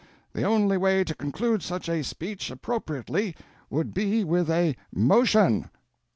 The only way to conclude such a speech appropriately would be with a motion!'"